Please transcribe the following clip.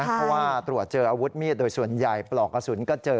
เพราะว่าตรวจเจออาวุธมีดโดยส่วนใหญ่ปลอกกระสุนก็เจอ